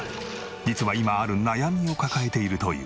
実は今ある悩みを抱えているという。